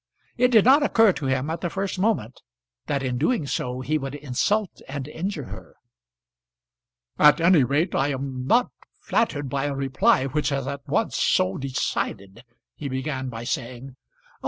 It did not occur to him, at the first moment, that in doing so he would insult and injure her. "At any rate I am not flattered by a reply which is at once so decided," he began by saying. "Oh!